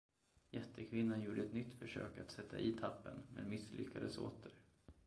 Jättekvinnan gjorde ett nytt försök att sätta i tappen men misslyckades åter.